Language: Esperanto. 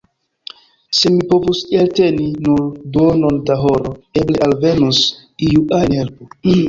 Se mi povus elteni nur duonon da horo, eble alvenus iu ajn helpo!